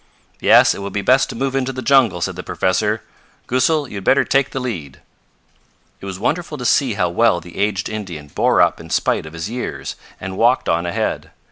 "Yes, it will be best to move into the jungle," said the professor. "Goosal, you had better take the lead." It was wonderful to see how well the aged Indian bore up in spite of his years, and walked on ahead.